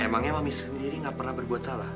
emangnya mami sendiri gak pernah berbuat salah